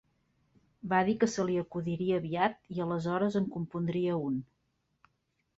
Va dir que se li acudiria aviat i aleshores en compondria un.